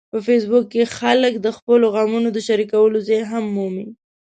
په فېسبوک کې خلک د خپلو غمونو د شریکولو ځای هم مومي